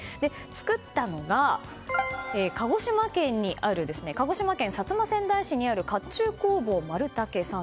作ったのが鹿児島県薩摩川内市にある甲冑工房丸武さん。